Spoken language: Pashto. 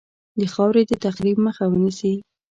د خاورې د تخریب مخه ونیسي.